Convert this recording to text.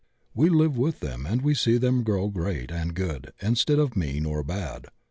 We Uve with them and see them grow great and good instead of mean or bad.